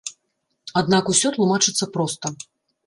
Аднак усё тлумачыцца проста.